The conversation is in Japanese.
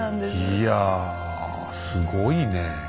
いやすごいねえ。